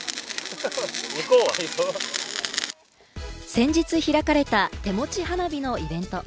先日、開かれた手持ち花火のイベント。